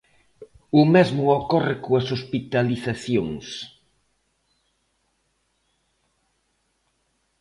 O mesmo ocorre coas hospitalizacións.